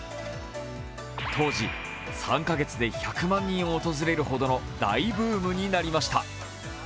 当時、３カ月で１００万人訪れるほどの大ブームになりました。